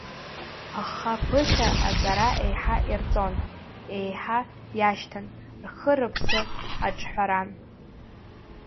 Аха ԥыхьа аҵара еиҳа ирҵон, еиҳа иашьҭан, рхы-рыԥсы аҿҳәаран.